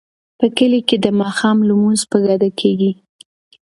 په کلي کې د ماښام لمونځ په ګډه کیږي.